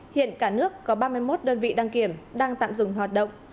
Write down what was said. hiện cả nước có ba mươi một đơn vị đăng kiểm đang tạm dừng hoạt động